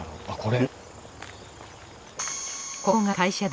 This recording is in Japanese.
あっこれ。